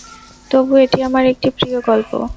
তবু এটি আমার একটি প্রিয় গল্প।